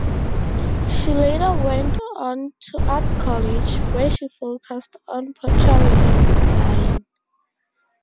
She later went on to art college, where she focused on pottery and design.